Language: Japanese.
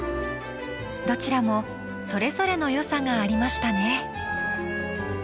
どちらもそれぞれのよさがありましたね。